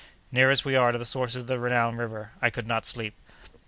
Near as we are to the sources of the renowned river, I could not sleep."